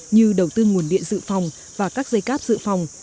như đầu tư nguồn điện dự phòng và các dây cáp dự phòng